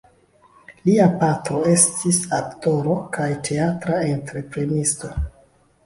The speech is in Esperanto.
Lia patro estis aktoro kaj teatra entreprenisto.